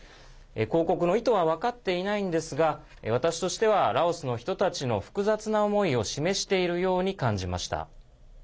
広告の意図は分かっていないんですが私としてはラオスの人たちの複雑な思いを示しているように感じました。